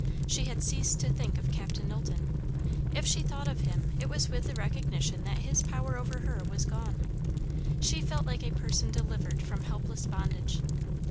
She had ceased to think of Captain Knowlton; if she thought of him, it was with the recognition that his power over her was gone. She felt like a person delivered from helpless bondage.